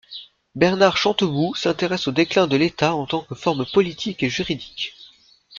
Bernard Chantebout s'intéresse au déclin de l’État en tant que forme politique et juridique.